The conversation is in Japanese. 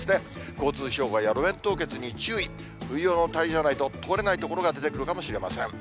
交通障害や路面凍結に注意、冬用のタイヤじゃないと通れない所が出てくるかもしれません。